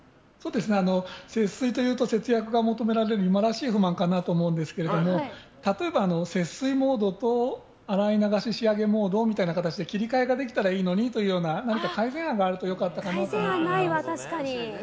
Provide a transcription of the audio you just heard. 節水というと節約が求められる今らしい不満かなと思うんですが例えば節水モードと、洗い流し仕上げモードみたいな形で切り替えができたらいいのにというような何か改善案があると良かったかなと思います。